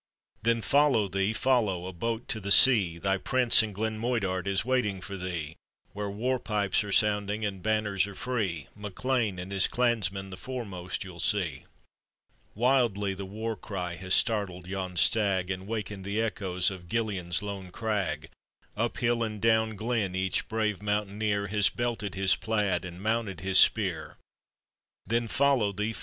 Then follow thee! follow! a boat to the sea! Thy Prince in Glen Moidart is waiting for thee; Where war pipes are sounding and banners are free; MacLean and h is clansmen the foremost you'll sec. Wildly the war cry has startled yon stag, And waken'd the echoes of Gillean's lone crag; Up hill and down glen each brave mountaineer' Has belted his plaid and mounted his spear. Then follow thee!